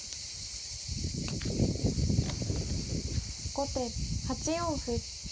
後手８四歩。